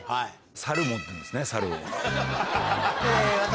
サル持ってるんですねサルを。